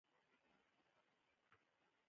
د مومن خان مور یې له کوره وشړله.